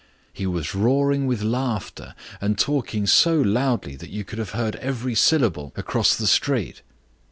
He was roaring with laughter and talking so loudly that you could have heard every syllable across the street.